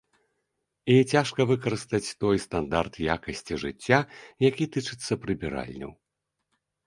І цяжка выкарыстаць той стандарт якасці жыцця, які тычыцца прыбіральняў.